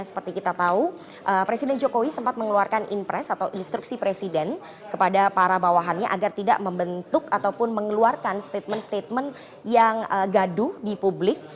seperti kita tahu presiden jokowi sempat mengeluarkan impres atau instruksi presiden kepada para bawahannya agar tidak membentuk ataupun mengeluarkan statement statement yang gaduh di publik